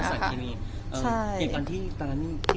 ในการที่มีภาพ